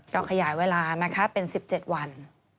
ก็ขยายเวลานะคะเป็น๑๗วัน